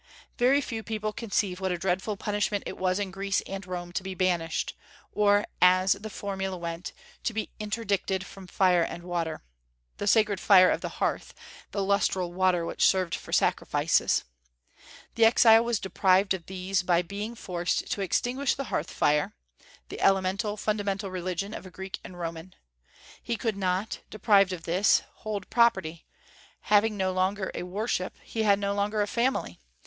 Very few people conceive what a dreadful punishment it was in Greece and Rome to be banished; or, as the formula went, "to be interdicted from fire and water," the sacred fire of the hearth, the lustral water which served for sacrifices. The exile was deprived of these by being forced to extinguish the hearth fire, the elemental, fundamental religion of a Greek and Roman. "He could not, deprived of this, hold property; having no longer a worship, he had no longer a family.